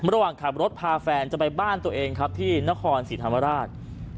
ระหว่างขับรถพาแฟนจะไปบ้านตัวเองครับที่นครศรีธรรมราช